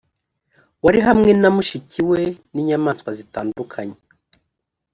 wari hamwe na mushiki we n inyamaswa zitandukanye